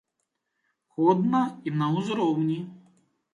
Годна і на ўзроўні.